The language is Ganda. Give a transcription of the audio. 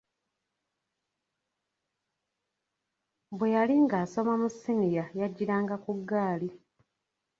Bwe yali asoma mu siniya yajjiranga ku ggaali.